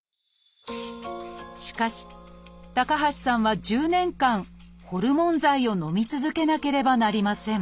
しかし高橋さんは１０年間ホルモン剤をのみ続けなければなりません